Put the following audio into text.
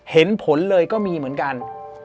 เห็นผลเลยก็มีเหมือนกัน